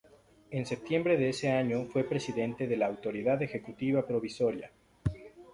En septiembre de ese año fue presidente de la Autoridad Ejecutiva Provisoria.